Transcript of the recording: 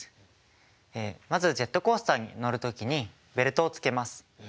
まずジェットコースターに乗る時にベルトをつけます。